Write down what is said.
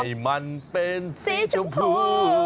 ให้มันเป็นสีชมพู